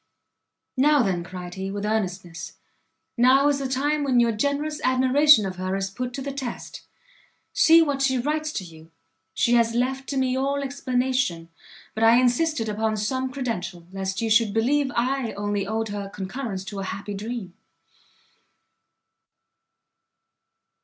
"Now, then," cried he, with earnestness, "now is the time when your generous admiration of her is put to the test; see what she writes to you; she has left to me all explanation: but I insisted upon some credential, lest you should believe I only owed her concurrence to a happy dream."